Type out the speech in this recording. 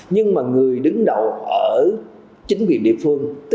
nhưng mà người đứng đầu ở chính quyền địa phương